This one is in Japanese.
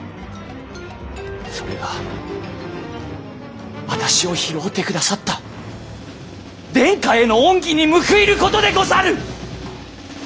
それが私を拾うてくださった殿下への恩義に報いることでござる！